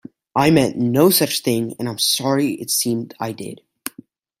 I meant no such thing, and I'm sorry it seemed I did.